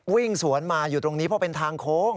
วิ่งสวนมาอยู่ตรงนี้เพราะเป็นทางโค้ง